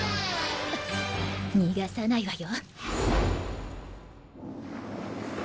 逃がさないわよ。